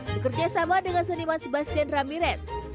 bekerjasama dengan seniman sebastian ramirez